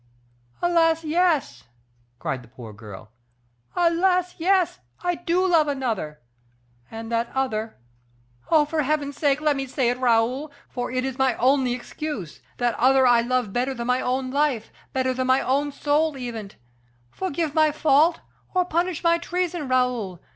"Alas, yes!" cried the poor girl; "alas, yes! I do love another; and that other oh! for Heaven's sake let me say it, Raoul, for it is my only excuse that other I love better than my own life, better than my own soul even. Forgive my fault, or punish my treason, Raoul.